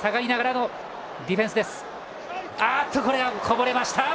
こぼれました。